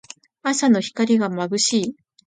朝の光がまぶしい。